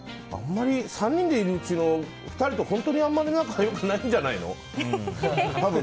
３人でいるうちの２人と本当にあんまり仲良くないんじゃないの。